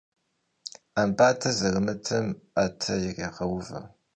'embate zerımıtım 'ete yirêğeuve.